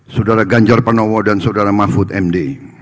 saudara ganjar pranowo dan saudara mahfud md